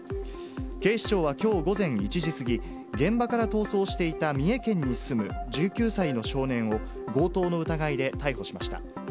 警視庁はきょう午前１時過ぎ、現場から逃走していた三重県に住む１９歳の少年を、強盗の疑いで逮捕しました。